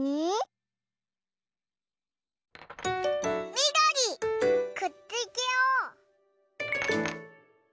みどりくっつけよう！